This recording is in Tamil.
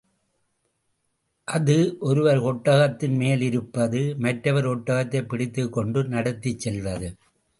அது, ஒருவர் ஒட்டகத்தின் மேல் இருப்பது, மற்றவர் ஒட்டகத்தைப் பிடித்துக் கொண்டு நடத்திச் செல்வது.